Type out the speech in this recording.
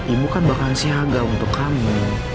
ibu kan bakalan siaga untuk kamu